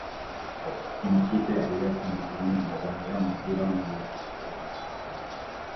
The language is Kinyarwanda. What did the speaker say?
Amakipe abiri atandukanye ahatanira umupira wamaguru